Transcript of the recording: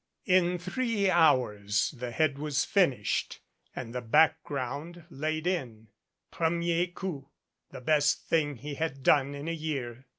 In three hours the head was finished and the background laid in, premier coup the best thing he had done in a year.